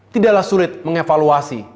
tidaklah sulit mengevaluasi